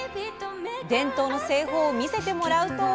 伝統の製法を見せてもらうと。